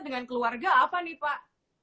dengan keluarga apa nih pak